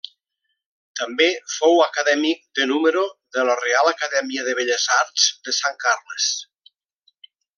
També fou Acadèmic de número de la Reial Acadèmia de Belles Arts de Sant Carles.